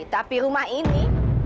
tapi rumah ini